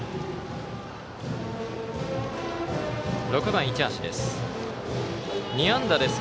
６番、市橋です。